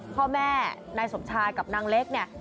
พ่อแม่นายสมชายกับนางเล็กเนี่ย